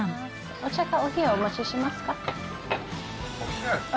お茶かお冷やお持ちしますか？